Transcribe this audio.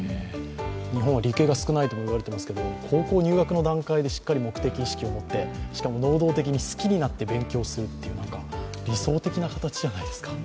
日本は理系が少ないともいわれていますけれども高校入学の段階で、しっかり目的意識を持ってしかも能動的に好きになって勉強するという理想的な形じゃないですか？